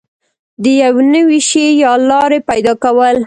د یو نوي شي یا لارې پیدا کول